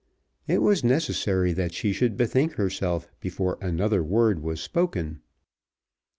It was necessary that she should bethink herself before another word was spoken.